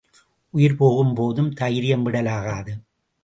உயிர் போகும் போதும் தைரியம் விடலாகாது.